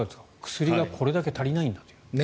薬がこれだけ足りないんだと。